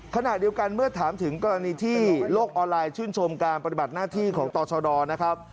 ขณะเดียวกันเมื่อถามถึงกรณีที่โลกออนไลน์ชื่นชมการปฏิบัติหน้าที่ของตชดนะครับ